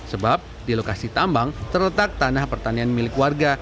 sebab di lokasi tambang terletak tanah pertanian milik warga